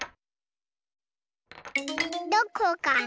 どこかな？